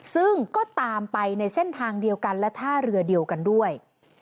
ซึ่งก็ตามไปในเส้นทางเดียวกันและท่าเรือเดียวกันด้วย